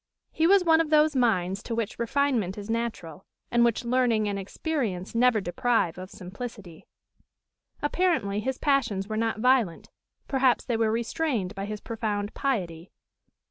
His was one of those minds to which refinement is natural, and which learning and experience never deprive of simplicity. Apparently his passions were not violent; perhaps they were restrained by his profound piety.